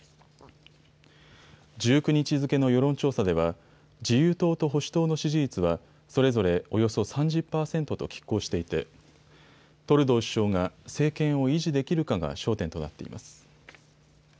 １９日付けの世論調査では自由党と保守党の支持率はそれぞれおよそ３０％ときっ抗していてトルドー首相が政権を維持できるかが焦点となっています。